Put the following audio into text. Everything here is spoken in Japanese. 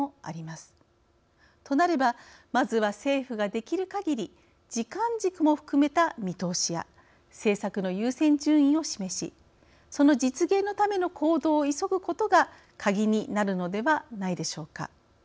となればまずは政府ができるかぎり時間軸も含めた見通しや政策の優先順位を示しその実現のための行動を急ぐことがカギになるのではないでしょうか。